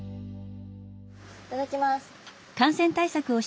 いただきます。